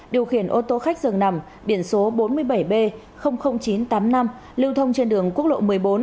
điều khiển ô tô khách dường nằm biển số bốn mươi bảy b chín trăm tám mươi năm lưu thông trên đường quốc lộ một mươi bốn